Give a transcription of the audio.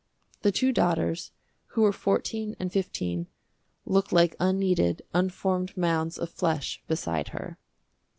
The two daughters, who were fourteen and fifteen, looked like unkneaded, unformed mounds of flesh beside her.